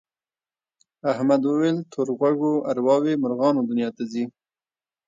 احمد وویل تور غوږو ارواوې مرغانو دنیا ته ځي.